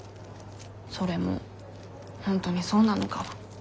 それも本当にそうなのかは。